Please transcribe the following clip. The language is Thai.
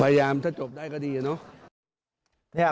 พยายามถ้าจบได้ก็ดีอะเนาะ